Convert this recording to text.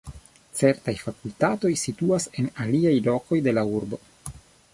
Certaj fakultatoj situas en aliaj lokoj de la urbo.